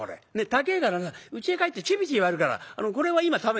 高えからさうちへ帰ってチビチビやるからこれは今食べ」。